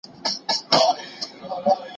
د سترګو ساتنه څنګه کیږي؟